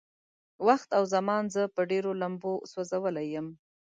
وخت او زمان زه په ډېرو لمبو سوځولی يم.